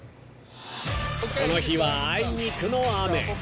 ［この日はあいにくの雨］